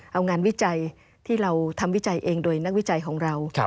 เอางานวิจัยที่เราทำวิจัยเองโดยนักวิจัยของเรา